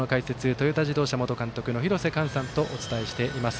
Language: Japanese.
トヨタ自動車元監督の廣瀬寛さんとお伝えしています。